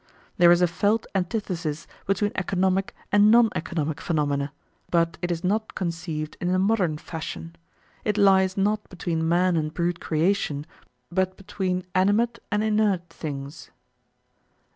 There is a felt antithesis between economic and non economic phenomena, but it is not conceived in the modern fashion; it lies not between man and brute creation, but between animate and inert things.